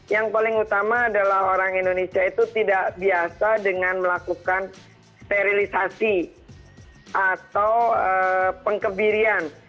yang paling utama adalah orang indonesia itu tidak biasa dengan melakukan sterilisasi atau pengkebirian